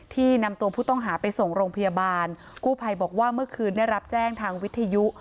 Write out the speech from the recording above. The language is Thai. นำตัวผู้ต้องหาไปส่งโรงพยาบาลกู้ภัยบอกว่าเมื่อคืนได้รับแจ้งทางวิทยุ